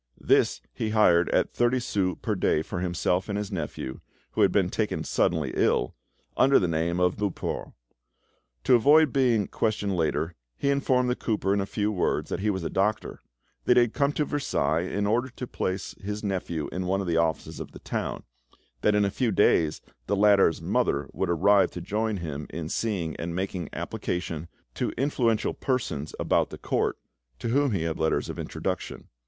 This he hired at thirty sous per day for himself and his nephew, who had been taken suddenly ill, under the name of Beaupre. To avoid being questioned later, he informed the cooper in a few words that he was a doctor; that he had come to Versailles in order to place his nephew in one of the offices of the town; that in a few days the latter's mother would arrive to join him in seeing and making application to influential persons about the court, to whom he had letters of introduction.